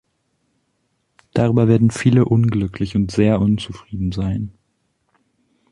Darüber werden viele unglücklich und sehr unzufrieden sein.